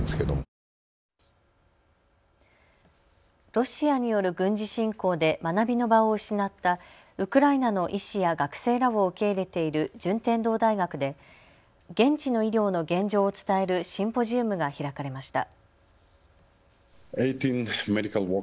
ロシアによる軍事侵攻で学びの場を失ったウクライナの医師や学生らを受け入れている順天堂大学で現地の医療の現状を伝えるシンポジウムが開かれました。